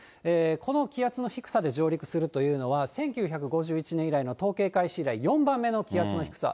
この気圧の低さで上陸するというのは、１９５１年以来の統計開始以来、４番目の気圧の低さ。